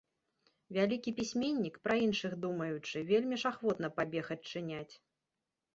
Вялікі пісьменнік, пра іншых думаючы, вельмі ж ахвотна пабег адчыняць.